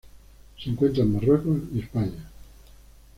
Se encuentra en Marruecos y España.